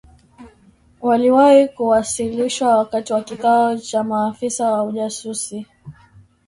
waliwahi kuwasilishwa wakati wa kikao cha maafisa wa ujasusi